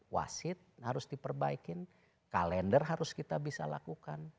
wasit harus diperbaikin kalender harus kita bisa lakukan